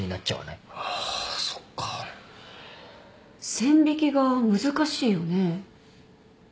線引きが難しいよね。